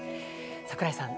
櫻井さん